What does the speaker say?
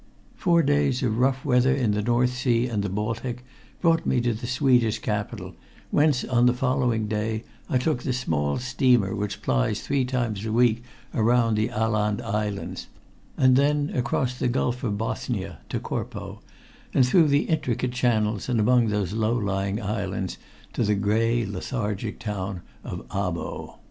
Four days of rough weather in the North Sea and the Baltic brought me to the Swedish capital, whence on the following day I took the small steamer which plies three times a week around the Aland Islands, and then across the Gulf of Bothnia to Korpo, and through the intricate channels and among those low lying islands to the gray lethargic town of Abo.